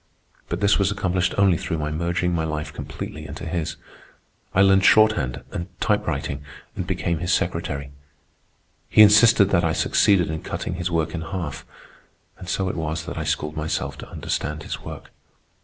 But this was accomplished only through my merging my life completely into his. I learned shorthand and typewriting, and became his secretary. He insisted that I succeeded in cutting his work in half; and so it was that I schooled myself to understand his work.